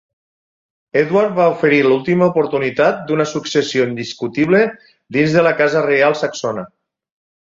Edward va oferir l'última oportunitat d'una successió indiscutible dins de la casa reial saxona.